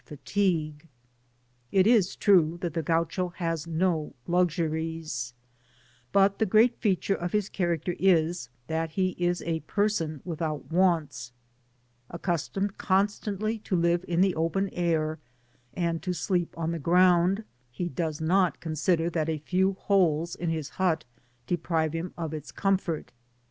fatigue. It is true that the Gao cho has no luxuries; but the great feature of his diaracter is, that he is a person without wants: accustomed to live omstantly in the open tii, and to sleep on the ground, he does not consida: that a few holes in his hut deprive it of its comfort.